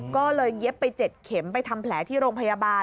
ก็เลยเย็บไป๗เข็มไปทำแผลที่โรงพยาบาล